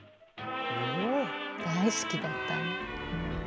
大好きだった。